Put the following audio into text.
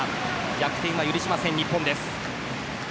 逆転は許しません、日本です。